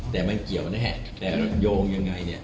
แต่มันเกี่ยวแน่แต่โยงยังไงเนี่ย